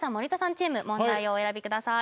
チーム問題をお選びください